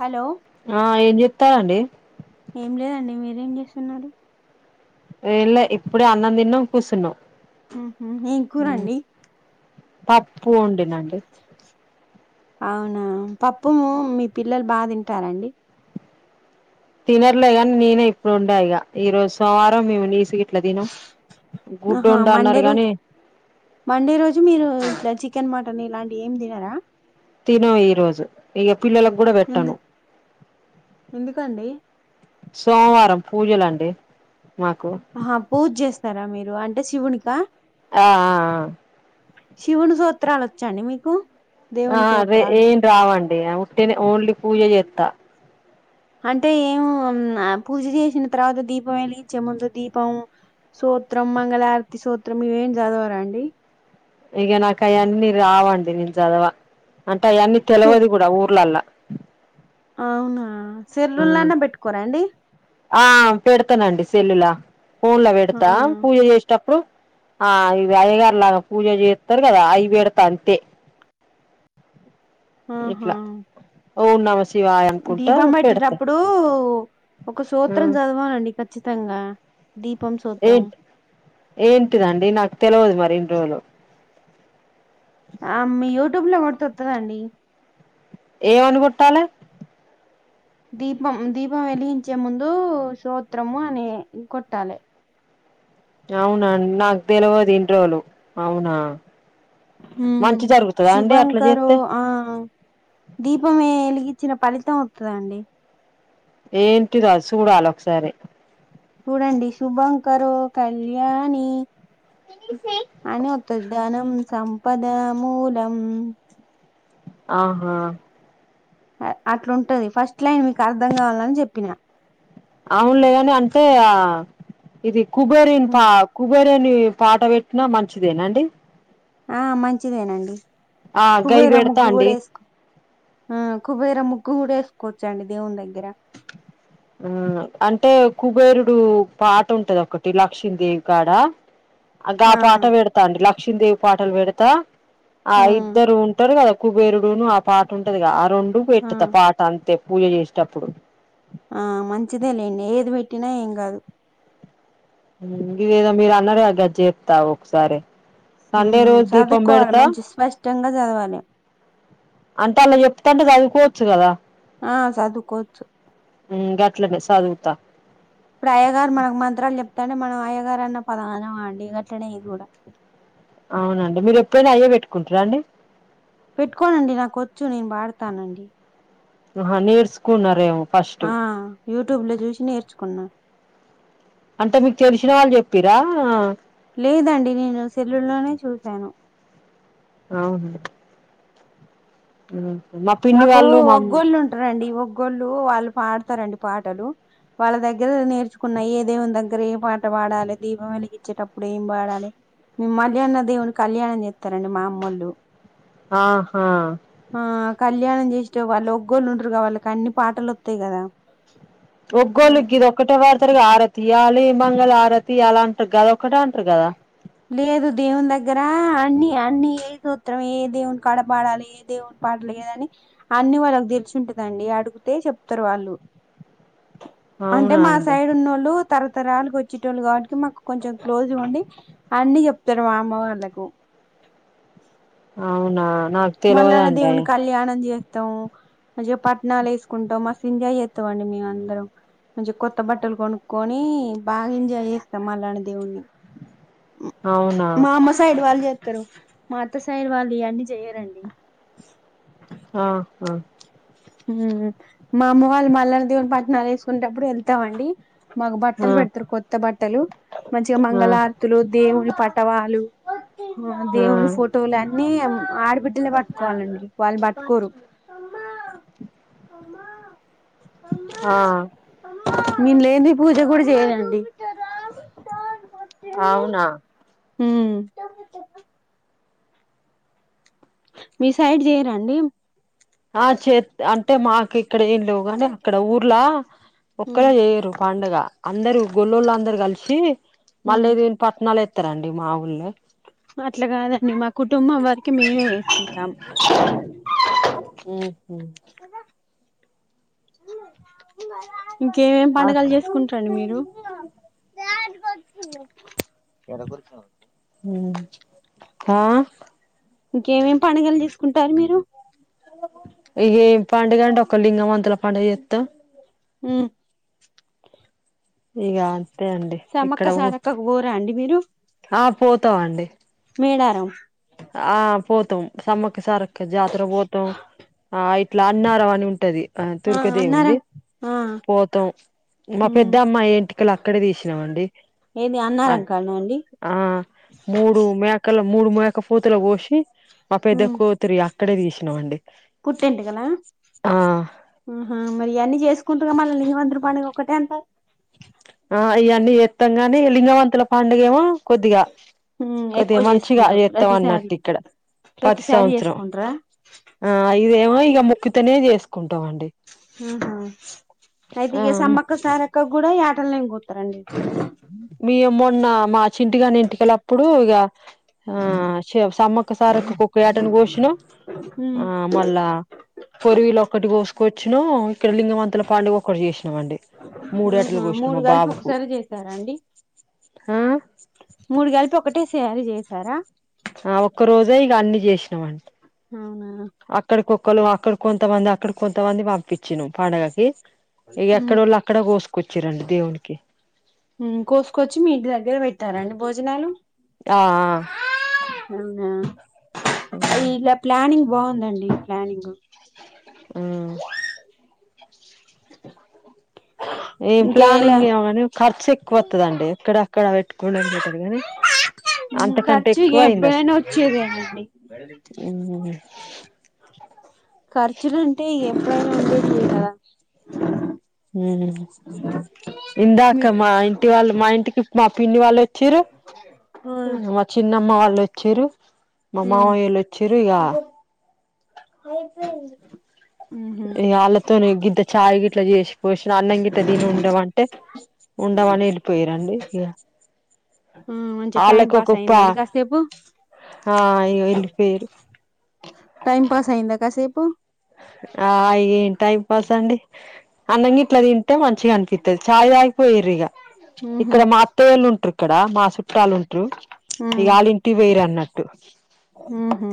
Hello ఆ ఏం చెత్తరండి ఏం లేదండి మీరేం చేస్తున్నారు, ఎంలే ఇప్పుడే అన్నం తిన్నాం కూర్చున్నాం, ఆహా ఎం కూర అండీ పప్పు వండినండి అవునా పప్పుము మీ పిల్లలు బాగా తింటారండి, తినర్లే కాని నినే ఇప్పుడు వండా ఇగా ఈ రోజు సోమవారం మేము నీసుగిట్లా తిన్నం, గుడ్డు ఆహా వండు అన్నారు మండే గాని రోజు మండే రోజు మీరు ఇట్ల చికెన్ మటన్ ఇలాంటి ఎం తినారా తిన్నము ఈ రోజు ఇగా పిల్లలకు కూడా పెట్టను ఎందు ఎందుకండి సోమవారం పూజలు అండి మాకు ఆహా పూజ చేస్తారా మీరు అంటే శివునికా ఆ ఆ ఆ శివుని సోత్రాలు వచ్చా అండీ మీకు ఆ దేవుని అదే సూత్రాలు ఏం రావండి ఉట్టిగానే ఓన్లీ పూజ చేస్తా, అంటే ఎం పూజ చేసిన తర్వాత దీపం వెలిగించే ముందు దీపం సూత్రం మంగళారతి సూత్రం ఇవేం చదవరా అండి ఇగా నాకు అవన్నీ రావండి నేను చదవా అంటే అవన్నీ తెలివదు కూడా ఊర్లల్లా అవునా సెల్లులా నాన పెట్టుకోరా అండి ఆ పెడతానండి సెల్లులా ఫోన్లా ఆ పెడతా పూజ చేసి టప్పుడు ఆ ఇగా అయ్యగారు లాగా పూజ చేస్తారు కదా అవి పెడత అంతే ఆహా ఇట్లా ఓంనమశి దీపం పెట్టేటప్పుడు ఒక ఆ సూత్రం చదవలనండి ఖచ్చితంగా దీపం సోత్రం ఏంటి ఏంటిదండి నాకు తెలవదు మరి ఇన్ని రోజులు, ఆం యూత్ యుట్యూబ్ లా కోడతే వాతాదండీ ఏమని కొట్టాలే దీపం దీపం వెలిగించే ముందు సోత్రము అని కొట్టాలి అవునండి నాకు తెలివదు ఇన్ని రోజులు అవునా ఉ మంచి జరుగుతదా అండి అట్లా శుభంకరో చేస్తే ఆ దీపం వెలిగిచ్చిన ఫలితం వస్తాదండి ఏంటిరా సూడాలి ఒకసారి చూడండి శుభంకరొ కళ్యాణి అని తా ధనం సంపద మూలం ఆహా అట్లా ఉంటది ఫస్ట్ లైన్ మీకు అర్ధం కావాలని చెప్పినా అవునులే అని అంటే ఇది కుబేరిన్ పాక్ కుబేరుని పాట పెట్టినా మంచిదేనా అండీ ఆ మంచిదేనండి ఆ గై కుబేర పెడతా ముగ్గు అండి కూడా వేసుకో ఉ కుబేర ముగ్గు కూడా వేసుకోవచ్చండి దేవుని దగ్గర ఉ అంటే కుబేరుడు పాట ఉంటది ఒకటి లక్ష్మీదేవి కాడ గా ఆ పాట పెడతా అండి లక్ష్మీదేవి పాటలు పెడతా, ఆ ఇద్దరు ఉంటారు కదా కుబేరుడును అ పాట ఉంటదిగా ఆ రెండు ఆ పెట్త పాట అంతే పూజ చేసేటప్పుడు, ఆ మంచిదే లేండి ఏది పెట్టినా ఏం కాదు గిది ఏదో మీరు అన్నరూ గది చెప్తా ఒకసారి సండే ఉమ్ రోజు దీపం చదువుకోవాలి పెడతా మంచి స్పష్టంగా చదవాలి అంటే అలా చెప్తుంటే చదువుకోవచ్చు కదా ఆ చదువుకోవచ్చు గట్లనే చదువుతాను ఇప్పుడు అయ్యగారు మనకు మంత్రాలు చెప్తంటే మనం అయ్యగారు అన్న పదాన అండి గట్నే ఇది కూడా అవునండి మీరు ఎప్పుడైనా అవ్వే పెట్టుకుంటారా అండి పెట్టుకోనండి నాకు వచ్చు నేను వాడతానండి ఆహా నేర్చుకున్నారేమో ఫస్ట్ ఆ యూట్యూబ్ లో చూసి నేర్చుకున్నా అంటే మీకు తెలిసిన వాళ్ళు చెప్పిరా లేదండి నేను సెల్లుల్లోనే చూశాను అవునా ఆహ మోట్ మాకు ఒగ్గోళ్ళు ఉంటారండి ఒగ్గోళ్ళు వాళ్ళు పాడతారండి పాటలు వాళ్ళ దగ్గర నేర్చుకున్నా ఏదేవుని దగ్గర ఏం పాట పాడాలి దీపం వెలిగించేటప్పుడు ఏం పాడాలే మ మల్యాన్న దేవుని కళ్యాణం చేస్తారండి మా అమ్మోళ్ళు ఆహా ఆ కళ్యాణం చేసటే వాళ్ళు ఒగోళ్ళు ఉంటారు కద వాళ్ళకి అన్ని పాటలు వస్తాయి కదా ఒగోళ్ళు కిద ఒక్కటే పాడతారు ఆరతియాలి మంగళ ఆరతి ఇయ్యాలి అంటారు కదా ఒకటే అంటారు కదా లేదు దేవుని దగ్గర అన్ని అన్ని ఏ సూత్రం ఏ దేవుని కడ పాడాలి దేవుని పాట లేదని అన్ని వాళ్ళకి తెలిసుంటదండి అడిగితే చెప్తారు వాళ్ళు అంటే అవునా మా అండి సైడ్ ఉన్నోళ్ళు తరతరాలకు వచ్చేటోళ్ళు కాబట్టి మాకు కొంచెం క్లోజ్గా ఉండి అన్ని చెప్తారు మా అమ్మ వాళ్ళకు అవునా నాక్ మల్లన్న దేవునీ కళ్యాణం చే పిస్తాం మంచిగా పట్టనాలు వేసుకుంటాం మస్తే ఎంజాయ్ చేస్తాం అండి మేము అందరం మంచిగా కొత్త బట్టలు కొనుక్కొని బాగా ఎంజాయ్ చేస్తాం మల్లన్న దేవుని అవునా మా అమ్మ సైడ్ వాళ్ళు చెస్తారు మా అత్త సైడ్ వాళ్ళు ఇవన్నీ చెయ్యరండి ఆ హ మా అమ్మ వాళ్ళు మల్లనా దేవూని పట్నాలు వేసుకునేటప్పుడు వెళ్తామండి మాకు ఆ బట్టలు పెడతారు కొత్త బట్టలు మంచిగా ఆ మంగళారతులు దేవుడి పటవాలు దేవుని ఆ ఫోటోలు అన్ని ఆడబిడ్డలే పట్టుకోవాలండి వాళ్ళు పట్టుకోరు అమ్మా అ ఆ నేను లేనిది పూజ కూడా చేయ్యారండి అవునా హ మీ సైడ్ చేయరా అండి ఆ చే అంటే మాకు ఇక్కడ ఏం లేవు కాని అక్కడ ఊర్లా ఉమ్ ఒక్కడే చేయరు పండగ అందరు గొల్ల్లోళ్ళ అందరు కలిసి ఉమ్ మల్లయ్య దేవుడు పట్నాల వేస్తారండి మా ఊళ్ళ అట్లా కాదండి మా కుటుంబం వరికి మేమే చేసుకుంటాం ఉహు ఇంకేమేం పండుగలు అట్లా చేసుకుంటరండి మీరు? డాడీ కొనుక్కుందాం ఉమ్ హా ఇంకేమేమి పండుగలు చేసుకుంటారు మీరు? ఇగేం పండుగ ఒక్కలింగ మంతల పండుగ చెత్తం ఉమ్ ఇగ అంతే అండి, ఇక్కడ ఊ ఊరా అండి మీరు? ఆ పోతామండి మేడారమ్ ఆ పోతం సమ్మక్క సారక్క జాతర పోతం. ఆ ఇట్ల అన్నారం అని ఉంటది. ఆ తుర్కదేవున్ది ఆ పోతాం, మా ఉమ్ పెద్ద అమ్మయి ఎంటి కలు అక్కడే తీసినమండి. ఏది అ అన్నారం కాడనా అండి ఆ మూడు మేకలు మూడు మే పూతలు కోసి మా పెద్ద కూతురి అక్కడే తీసిన మండి పుట్టెంటికల ఆహ మరి ఇయన్ని చేసు కుంటూరుగా మల్ల లింగమంతుడు పండగ ఒకటే అంటార్రు. ఆ ఇవన్నీ చేత్తం గాని లింగవంతుల పండుగ ఏమో కొద్దిగా. కొద్దిగా ఎక్కువ మంచిగ చేసుకుంటారు చేత్తం ప్రతిసారి అన్నట్టు ఇక్కడ పతి ప్రతిసారి సంవత్సరం. చేసుకుంటారా ఆ ఇదేమో ఇగ మోక్కుతనే చేసుకుంటమండి. ఉహు అయితే ఇగ ఆ సమ్మక్క సారక్కకు గుడ ఈ యాటలనే కోత్తారండి. మీ మొన్న మా చింటిగాని ఎంటికలప్పుడు ఇగ ఆ షేవ్ సమ్మక్క సారక్క కోక్క యాటను కోసినం ఉమ్ ఆ మళ్ లా కొరివీలు ఒక్కటి కోసుకొచ్చినం ఇక్కడ లింగమంతుల పండుగ ఒకటి చేసినం అండి. మూడేటలు కోసినం మా బాబుకు సారా అండి ఆ మూడు గలిపి ఒకటే సారీ జేసారా? ఆ ఒక్క రోజే ఇగ అన్ని జేసినం వంట అవునా అక్కడికొక్కళ్ళు అక్కడ కొంతమంది, అక్కడ కొంతమంది పంపించనం పండగకి, ఇగ ఉమ్ ఎక్కడోళ్ళు అక్ అక్కడ కోసుకొచ్చిరండి దేవుడికి ఉమ్ కోసుకొచ్చి మీ ఇంటి దగ్గర పెట్టారండి భోజనాలు? ఆఆ అవునా ఆ ఇలా ప్లానింగ్ బాగుందండి, ప్లానింగు ఆ ఏం ఇంకా ఎలా ప్లానింగ్ ఏమోగనీ ఖర్చు ఎక్కువ వత్తదండి, ఎక్కడ అక్కడ పెట్టుకోవడం బెటరు గని ఉమ్ ఖర్చు ఇగ ఎప్పుడైనా వచ్చేదేనండి ఉమ్ ఖర్చులుంటే ఇగ ఎప్పుడైనా ఉండేదియే కదా. ఉహుహు ఇందాక మీ మా ఇంటి వాళ్ళు, మా ఇంటికి మా పిన్ని వాళ్లోచ్ చిరు, ఆ మా చిన్నమ్మ వాళ్ళు వోచ్చిరు, మా ఉమ్ మామయోళ్ళు వచ్ చిరు ఇగ, ఉహు ఇగ ఆళ్ళ తను గింత చాయి గిట్ల చేసి పోసినా, అన్నం గిట్ట తిని ఉండమం టే ఉండమని వెళ్ళిపోయిరండి ఇగ ఆ మంచి టైం వాళ్ళకి ఒక పాస్ పా అయ్యిందండి కాసేపు. ఆ అయ్యో వెళ్ళిపోయిరు. టైం పాస్ అయిందా కాసేపు. ఆ అయ్యి టైమ్ పాస్ అండి. అన్నం గిట్లా తింటే మంచిగా అనిపిత్తది చాయ్ తాగిపోయుర్రు ఇగ. ఉహు ఇక్కడ మా అత్తయల్లు ఉంటుర్రు ఇక్కడ మా చు. చుట్టాలుంట్రు ఇగ ఆళ్ళ ఇంటికి వైరు అన్నట్టు. ఊహు.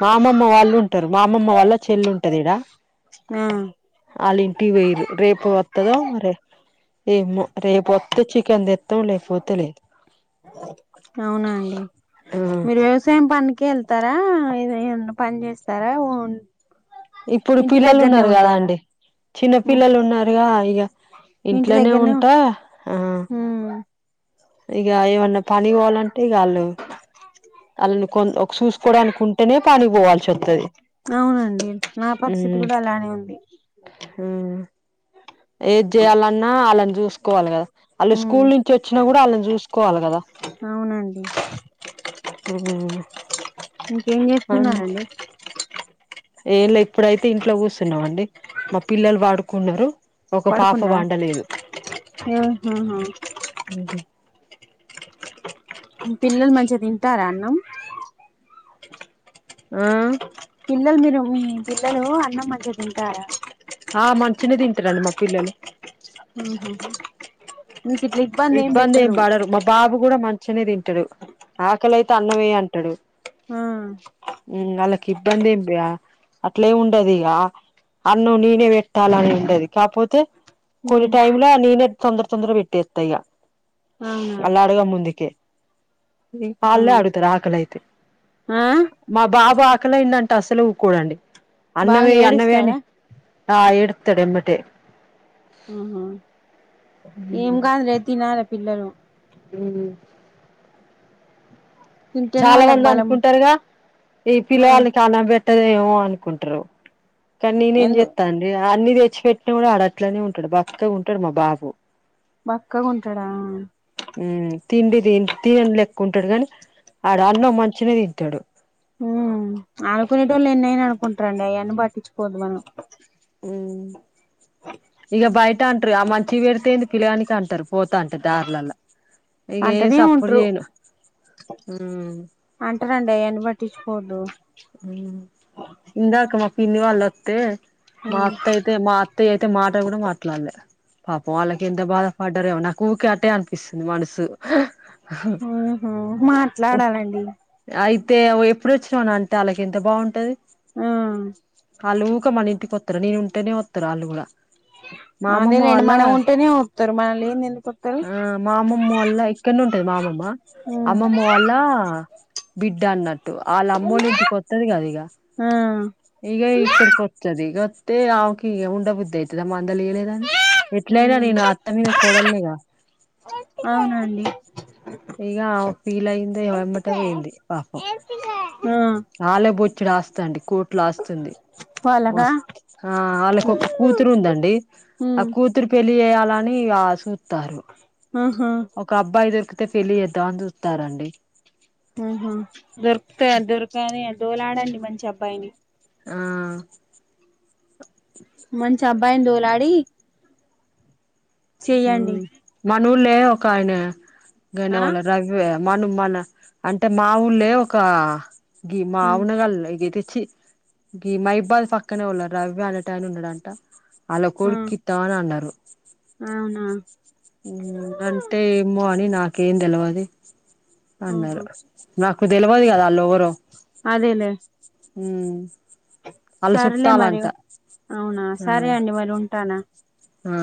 మా అమ్మమ్మ వాళ్ళు. టరు మా అమ్మమ్మ చెల్లుంటదిడా. ఆ ఆళ్ళ ఇంటి వోయ్యిర్రు రేపు వత్తదో మరే. ఏమో రేపొత్తే చికెన్ తెత్తము లేకపోతే లే. అవునా అండి ఆ మీరు వ్యవసాయం పనికి ఎల్. తరా ఏదయిన పని చేస్తారా ఓన్. ఇప్పుడు ఇంటి పిల్లలు దగ్గరనే ఉన్నారు కదా ఉంటారా అండి. చిన్న పిల్లలు ఉన్నారుగా అయ్యో ఇంటి ఇంట్లోనే దగ్గరనే ఉంటా ఆ. ఉమ్ ఇగ ఏమన్నా పని కోవలంటే ఇగాళ్ళు ఆళ్ళని కొ ఒక చూసుకోవడానికుం. చనగ కాయల పోవాల్సి ఒత్తది అవునండి నా ఆ. పరిస్థితి కూడా అలానే ఉంది హు. ఏది చేయాలన్నా వాళ్ని చూసుకోవాలి కదా. వాళ్ళు ఉమ్ స్కూల్ నుంచి వచ్చినా కూడా వాళ్ళని చూసుకోవాలి కదా. అవునండి హు ఇంకేం చేస్తున్నారండి. ఏంళ ఇప్పుడైతే ఇంట్లో కూస్తున్నాం అండి మా పిల్లలు వడుకున్నారు. ఒక పాఫ పడుకున్నారా పండలేదు. ఆహాహా పిల్లలు మంచిగా తింటారా అన్నం. ఆ. పిల్లలు మీరు మీ పిల్లలు అన్నం మంచిగ తింటార. ఆ మంచిగా తింటరండీ మా పిల్లలు. ఊ నీకిది. ఇబ్బంది ఏం పడరు మా బాబు కూడా మంచి గనే తింటడు ఆకలియితే అన్నమేయ్ అంటడు. ఆ. ఉ వాళ్ళకి ఇబ్బంది ఏమియా అట్లే ఉండదు ఇక. అన్నం నేనే పెట్టాలిఅని ఉండది కాపోతే. కొన్ని టైమ్ ల నేనే తొందర తొందర పెట్టేస్తా ఇగ అవునా అల్లాడగ ముందుకే. ఆ హాలిడే ఆడుగుతారు ఆకలి అయితే. ఆ మా బాబు ఆకలైందంటే అసలు ఊకోడండి అన్నం బాగా ఎయ్ అన్నం ఎయ్యి అని. ఏడుస్తాడా ఆ ఏడుత్తడు ఎమ్మటే. ఆహ ఏం గాదులే తినాలె పిల్లలు. ఉ. తింటేనే చాలా వాళ్ళకి మంది బలం అనుకుంటరుగా ఈ ఆ పిల్లకాళ్ని కానబెట్. పంటదేమో అనుకుంటార్రు కానీ నేనేం ఎందు చేత్తన్. డె అన్ని తెచ్చిపెట్టిన కూడా ఆడట్లనే ఉంటడు బక్కగుంటడు మా బాబు. బక్కగుంటడా. ఊ తిండి తి తినని లెక్కు ఉంటడు గానీ ఆడు అన్నం మంచిగా తింటాడు. ఉమ్ ఆనుకునేటోళ్ళు ఎన్ని అయన అనుకుంటరండి అయన్నీ పట్టిచ్చుకోవద్దు మనం ఉమ్ ఇగ బయటంటరుగా మంచియి పెడితేంది పిలగానికంటరు పోతాంటే దార్లల్ల ఇగేమ్ అంటనే సప్పుడు ఉంట్రు జేయను అంటరండి అయన్నీ పట్టిచ్చుకోవద్దు ఇందాక మా పినివాళ్ళత్తే మా ఉమ్ అత్తయ్ తే మా అత్తయ్య అయితే మాట గూడా మాట్లాడ్లే పాపం వాళ్ళకెంత బాధపడ్డరో ఏమో నాకు ఊకే అటే అనిపిస్తుంది మనసు ఆహా ఉట్ మాట్లాడాలండి అయితే ఎప్పుడు వోచ్చినవనన్ టె ఆళ్ళ కెంత బావుంటది ఆ వాళ్లు ఊక మన ఇంటికి ఒత్తర నేను ఉంటేనే వత్తరు వాళ్లు గూడా మాఅమ్మమ్మ అదేలేండి వాల్ళ మనం ఉంటేనే వత్తరు మనం లేంది ఎందుకు వత్తరు ఆ మాఅమ్మమ్మ వాల్ళ ఇక్కడనే ఉంటది మాఅమమ్మ అమ్మమ్మ వాళ్ ళ్లా బిడ్డ అన్నట్టు ఆళ్ల అమ్మోళ్ళ ఇంటికి ఒత్తది కద ఇగ ఆ ఇగ ఇక్కడికొత్తది ఇగ ఒత్తే ఆమకి ఇగ ఉండబుద్దయితదా మందలియ్యలేదని ఎట్లయినా ఉమ్ నేను అత్త మీద కోడల్నిగా అవునండి ఇగ ఆమె ఫీల్ అయిందోమో ఎమ్మటే పోయింది పాపం ఆ ఆల్లే బొచ్చెడు ఆస్తండి కోట్ల ఆస్తుంది వాళ్ళగా మస్తు ఆ వాళ్లకు ఒక కూతురు ఉందండి ఆ ఉమ్ కూతురు పెళ్ళి జేయాలని ఆ సూత్తార్రు ఆహా ఒక అబ్బాయి దొరికితే పెళ్లి జేద్దామని జూత్తారండి ఉమ్ హ్ దొరుకుతయ దొరకని దోలాడండి మంచి అబ్బాయిని ఆ మంచి అబ్బాయిన్ దోలాడి చెయ్యండి మనూళ్లే ఒకాయనె ఆ గనెవలో రగ్ వే మను మల్ల అంటే మా ఊళ్లే ఒక గి మా ఉమ్ అమనగల్లే గి తి చి గి మైబ్బాద్ పక్కనే వోల్లో రవి అనేటైన ఉన్నడంట వాల్ల కొడుకిత్తం అని అన్నరు ఉమ్ హ్ ఉమ్ అంటే ఏమో అని నాకేం తెలవది ఆహా అన్నరు నాకు తెలవదు గదా ఆళ్లోవరో అదేలే ఉమ్ సర్లే మరి, అవునా ఆ సరే అండి మరుంటాన ఆ